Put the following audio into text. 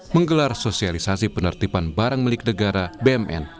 menggelar sosialisasi penertiban barang milik negara bmn